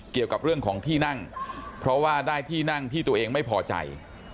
เกี่ยวกับเรื่องของที่นั่งเพราะว่าได้ที่นั่งที่ตัวเองไม่พอใจ